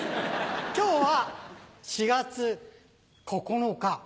今日は４月９日。